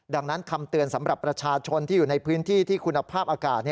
ดังนั้นคำเตือนสำหรับประชาชนที่อยู่ในพื้นที่ที่คุณภาพอากาศ